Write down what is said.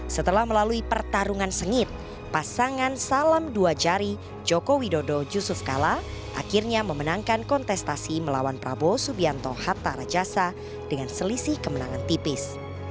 setelah melalui pertarungan sengit pasangan salam dua jari joko widodo yusuf kala akhirnya memenangkan kontestasi melawan prabowo subianto hatta rajasa dengan selisih kemenangan tipis